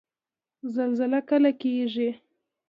زلزله کله کیږي؟